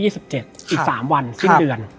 อีก๓วันสิ้นเดือน